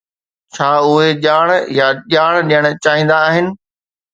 ڇا اهي ڄاڻ يا ڄاڻ ڏيڻ چاهيندا آهن؟